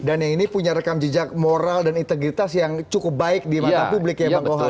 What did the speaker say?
dan yang ini punya rekam jejak moral dan integritas yang cukup baik di mata publik ya bang gohar